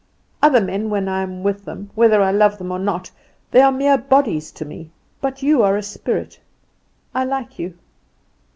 Other men when I am with them, whether I love them or not, they are mere bodies to me; but you are a spirit; I like you.